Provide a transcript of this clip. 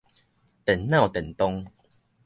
電腦電動